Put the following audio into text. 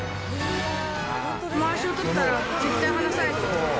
まわしを取ったら絶対離さないっていうところが。